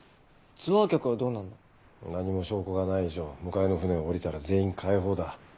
ツアー客はどうなんの？何も証拠がない以上迎えの船を降りたら全員解放だ。